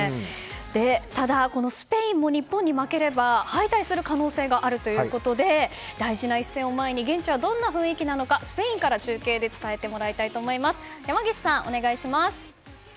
ただ、スペインも日本に負ければ敗退する可能性があるということで大事な一戦を前に現地はどんな雰囲気なのかスペインから中継で伝えてもらいたいと思います。